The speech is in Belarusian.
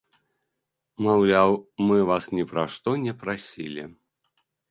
Маўляў, мы вас ні пра што не прасілі.